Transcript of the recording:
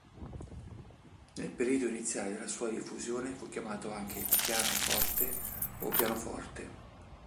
Nel periodo iniziale della sua diffusione fu chiamato anche piano-forte o pianoforte.